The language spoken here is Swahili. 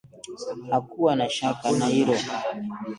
Hakuwa na shaka na hilo